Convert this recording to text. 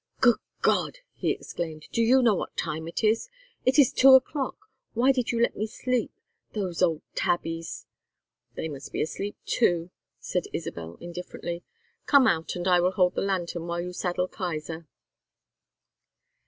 "Good God!" he exclaimed. "Do you know what time it is? It is two o'clock! Why did you let me sleep? Those old tabbies " "They must be asleep too," said Isabel, indifferently. "Come out, and I will hold the lantern while you saddle Kaiser."